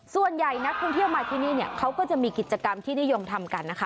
ส่วนใหญ่นักท่องเที่ยวมาที่นี่เนี่ยเขาก็จะมีกิจกรรมที่นิยมทำกันนะคะ